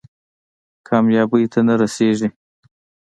کامیابۍ ته نه رسېږي.